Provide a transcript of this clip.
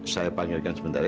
saya panggilkan sebentar ya